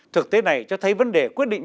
thực tế này cho thấy vấn đề quyết định